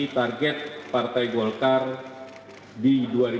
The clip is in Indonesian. target partai golkar di dua ribu sembilan belas